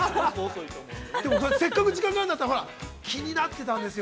でもせっかく時間があるんだったら、気になってたんですよ。